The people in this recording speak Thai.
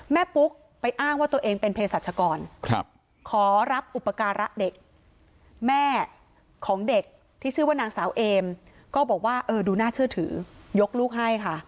ปุ๊กไปอ้างว่าตัวเองเป็นเพศรัชกรขอรับอุปการะเด็กแม่ของเด็กที่ชื่อว่านางสาวเอมก็บอกว่าเออดูน่าเชื่อถือยกลูกให้ค่ะ